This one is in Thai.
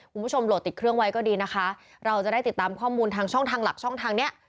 โหลดติดเครื่องไว้ก็ดีนะคะเราจะได้ติดตามข้อมูลทางช่องทางหลักช่องทางเนี้ย